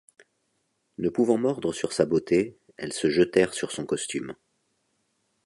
Ne pouvant mordre sur sa beauté, elles se jetèrent sur son costume.